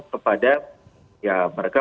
kepada ya mereka